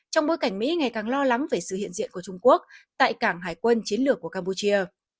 trong bối cảnh mỹ ngày càng lo lắng về sự hiện diện của trung quốc tại cảng hải quân chiến lược của campuchia